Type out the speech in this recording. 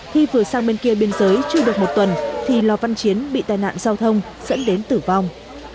khi vừa sang bên kia biên giới chưa được một tuần thì lò văn chiến bị tai nạn giao thông dẫn đến tử vong